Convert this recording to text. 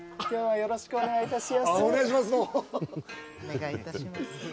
今日はよろしくお願いいたしやすお願いします